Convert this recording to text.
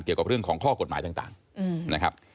เกี่ยวกับเรื่องของข้อกฎหมายต่างนะครับ